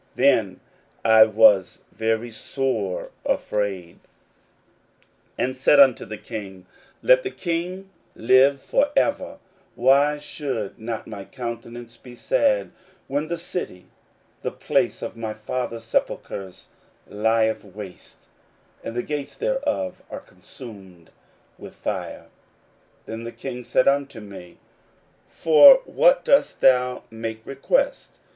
Then I was very sore afraid, 16:002:003 And said unto the king, Let the king live for ever: why should not my countenance be sad, when the city, the place of my fathers' sepulchres, lieth waste, and the gates thereof are consumed with fire? 16:002:004 Then the king said unto me, For what dost thou make request?